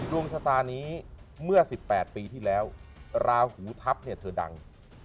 ดวงชะตานี้เมื่อ๑๘ปีที่แล้วราหูทัพเนี่ยเธอดัง